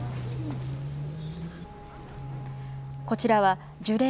こちらは、樹齢